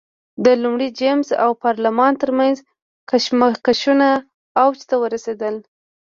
د لومړي جېمز او پارلمان ترمنځ کشمکشونه اوج ته ورسېدل.